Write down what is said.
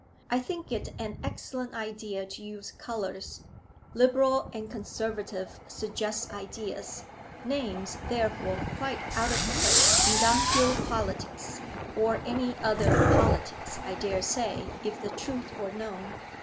I think it an excellent idea to use colours. Liberal and Conservative suggest ideas; names, therefore, quite out of place in Dunfield politics or any other politics, I dare say, if the truth were known.